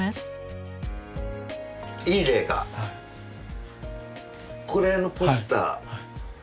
いい例がこれのポスター。